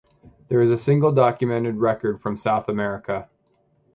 There is a single documented record from South America.